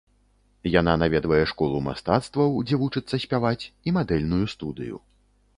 Яна наведвае школу мастацтваў, дзе вучыцца спяваць, і мадэльную студыю.